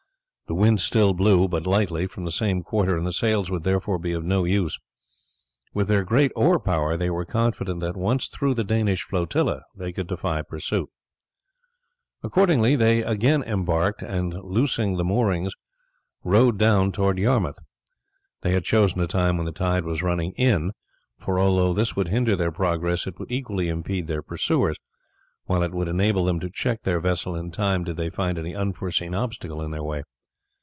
The wind still blew, but lightly, from the same quarter, and the sails would therefore be of no use. With their great oar power they were confident that, once through the Danish flotilla, they could defy pursuit. Accordingly they again embarked, and loosing their moorings rowed down towards Yarmouth. They had chosen a time when the tide was running in; for although this would hinder their progress it would equally impede their pursuers, while it would enable them to check their vessel in time did they find any unforeseen obstacle in their way.